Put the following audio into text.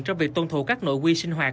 trong việc tôn thủ các nội quy sinh hoạt